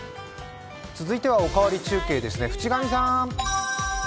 続いては「おかわり中継」です、渕上さん。